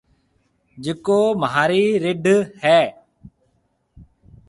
جڪو مهارِي رڍ هيَ۔